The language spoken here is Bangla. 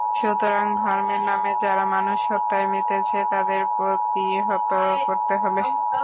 সুতরাং ধর্মের নামে যারা মানুষ হত্যায় মেতেছে, তাদের প্রতিহত করতে হবে।